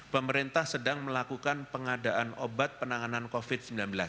pemerintah sedang melakukan pengadaan obat penanganan covid sembilan belas